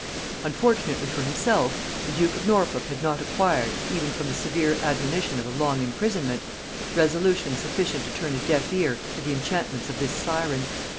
_ Unfortunately for himself, the duke of Norfolk had not acquired, even from the severe admonition of a long imprisonment, resolution sufficient to turn a deaf ear to the enchantments of this syren.